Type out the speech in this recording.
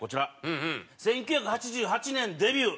１９８８年デビュー。